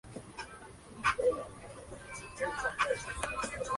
Grabó su primer sencillo titulado ""Regresa a mí"".